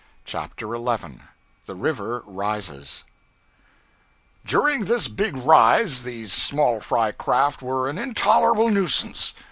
CHAPTER 11 The River Rises DURING this big rise these small fry craft were an intolerable nuisance.